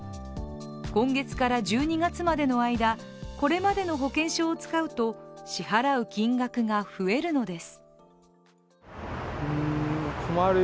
今月から１２月までの間、これまでの保険証を使うと支払う金額が増えるのです。